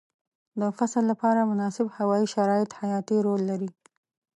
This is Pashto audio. د فصل لپاره مناسب هوايي شرایط حیاتي رول لري.